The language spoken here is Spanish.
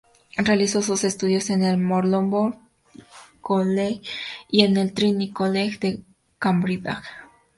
Realizó sus estudios en el Marlborough College y en el Trinity College, de Cambridge.